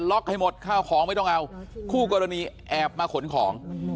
ให้หมดข้าวของไม่ต้องเอาคู่กรณีแอบมาขนของ